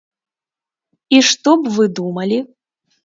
І што б вы думалі?